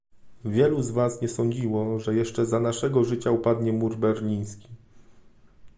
Wielu z nas nie sądziło, że jeszcze za naszego życia upadnie mur berliński